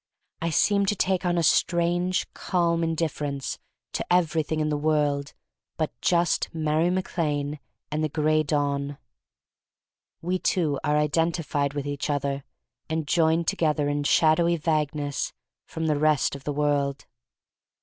I seem to take on a strange, calm in difference to everything in the world but just Mary Mac Lane and the Gray Dawn. We two are identified with each other and joined together in shadowy vagueness from the rest of the world.